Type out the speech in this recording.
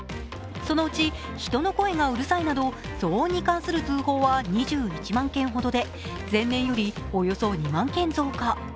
そのうち、人の声がうるさいなど騒音に関する通報は２１万件ほどで前年よりおよそ２万件増加。